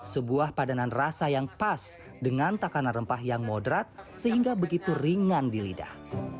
sebuah padanan rasa yang pas dengan takanan rempah yang moderat sehingga begitu ringan di lidah